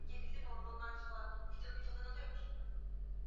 na maafisa wa Ujerumani kwa kosa la uchochezi